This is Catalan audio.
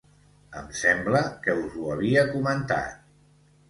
Em sembla que us ho havia comentat.